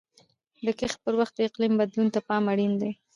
د کښت پر وخت د اقلیم بدلون ته پام اړین دی.